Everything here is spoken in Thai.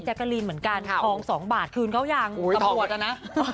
ท้อง๒บาทคืนเค้ายังกระปวดอะนะ